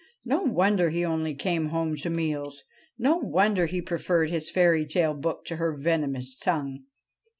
No wonder he only came home to meals ; no wonder he preferred his fairy tale book to her venomous tongue.